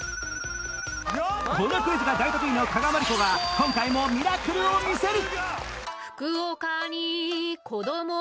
このクイズが大得意の加賀まりこが今回もミラクルを見せる！